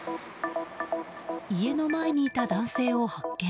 家の前にいた男性を発見。